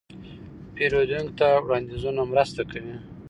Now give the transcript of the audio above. پیرودونکي ته وړاندیزونه مرسته کوي.